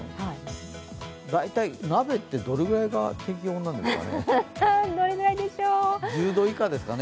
大体、鍋ってどれくらいが適温なんですかね。